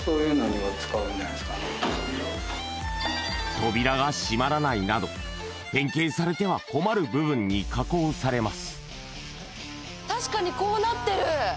扉が閉まらないなど変形されては困る部分に加工されます